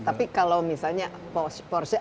tapi kalau misalnya porsche